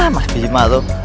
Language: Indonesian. mas bismillah tuh